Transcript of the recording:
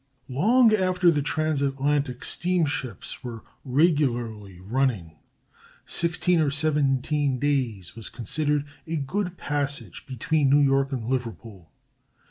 Long after the transatlantic steamships were regularly running, sixteen or seventeen days was considered a good passage between New York and Liverpool.